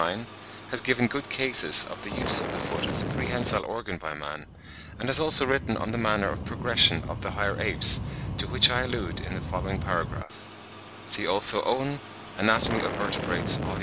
135) has given good cases of the use of the foot as a prehensile organ by man; and has also written on the manner of progression of the higher apes, to which I allude in the following paragraph: see also Owen ('Anatomy of Vertebrates,' vol.